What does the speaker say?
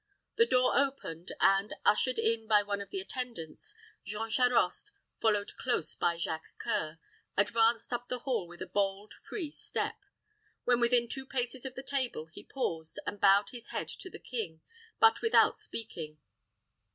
The door opened, and, ushered in by one of the attendants, Jean Charost, followed close by Jacques C[oe]ur, advanced up the hall with a bold, free step. When within two paces of the table, he paused, and bowed his head to the king, but without speaking.